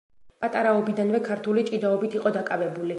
პატარაობიდანვე ქართული ჭიდაობით იყო დაკავებული.